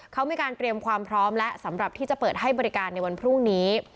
เขามีการเตรียมความพร้อมแล้วสำหรับที่จะเปิดให้บริการในวันพรุ่งนี้